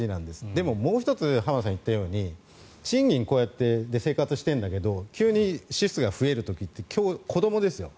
でも、もう１つ浜田さんが言ったように賃金でこうやって生活しているんだけど急に支出が増える時って子どもです。